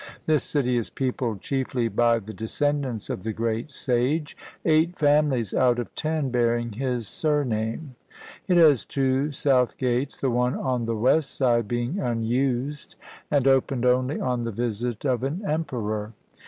This city is peopled chiefly by the descendants of the Great Sage, — eight families out of ten bearing his surname. It has two south gates, the one on the west side being unused, and opened only on the visit of an emperor.